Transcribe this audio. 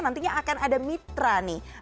nantinya akan ada mitra nih